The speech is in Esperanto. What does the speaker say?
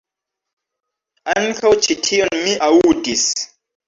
Ankaŭ ĉi tion mi aŭdis.